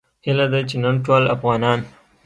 هیله ده چې نن ټول افغانان